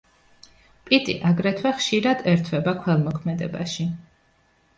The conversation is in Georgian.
პიტი აგრეთვე ხშირად ერთვება ქველმოქმედებაში.